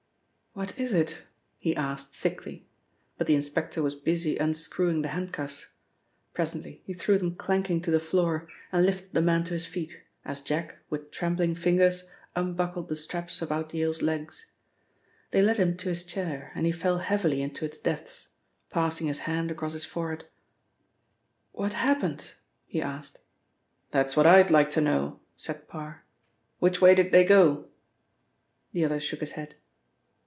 "What is it?" he asked thickly, but the inspector was busy unscrewing the handcuffs. Presently he threw them clanking to the floor, and lifted the man to his feet, as Jack, with trembling fingers, unbuckled the straps about Yale's legs. They led him to his chair, and he fell heavily into its depths, passing his hand across his forehead. "What happened?" he asked. "That's what I'd like to know," said Parr. "Which way did they go?" The other shook his head.